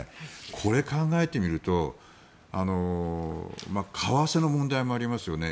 これを考えてみると為替の問題もありますよね。